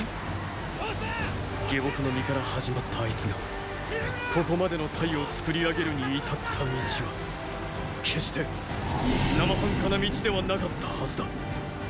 ⁉下僕の身から始まったあいつがここまでの隊を作り上げるに至った道は決して生半可な道ではなかったはずだ。